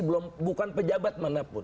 bukan pejabat manapun